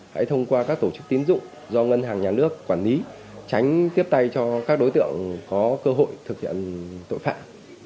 hãy thông qua các tổ chức tín dụng do ngân hàng nhà nước quản lý tránh tiếp tay cho các đối tượng có cơ hội thực hiện tội phạm